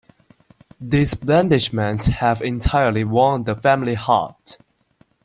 These blandishments have entirely won the family heart.